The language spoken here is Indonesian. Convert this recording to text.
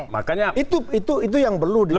makanya itu yang perlu dilakukan